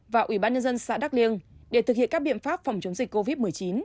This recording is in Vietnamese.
và ủy ban nhân dân xã đắk liêng để thực hiện các biện pháp phòng chống dịch covid một mươi chín